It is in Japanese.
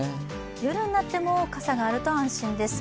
夜になっても傘があると安心です。